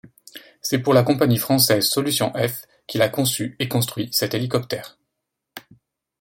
C'est pour la compagnie française Solution F qu'il a conçu et construit cet hélicoptère.